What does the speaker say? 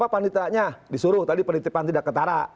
panitra nya disuruh tadi penitipan tidak ketara